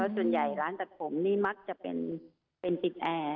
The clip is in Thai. ส่วนใหญ่ร้านตัดผมนี่มักจะเป็นติดแอร์